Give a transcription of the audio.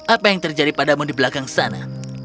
apa yang terjadi padamu di belakang sana